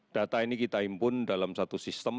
data ini kita impun dalam satu sistem